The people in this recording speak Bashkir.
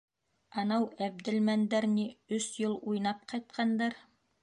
Анау Әбделмәндәр ни өс йыл уйнап ҡайтҡандар.